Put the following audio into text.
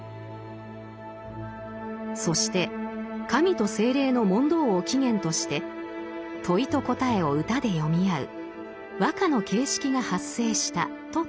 そして神と精霊の問答を起源として問いと答えを歌で詠み合う和歌の形式が発生したと説きました。